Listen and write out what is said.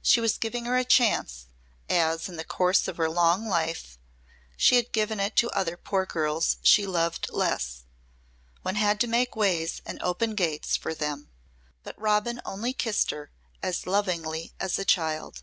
She was giving her her chance, as in the course of her long life she had given it to other poor girls she loved less. One had to make ways and open gates for them. But Robin only kissed her as lovingly as a child.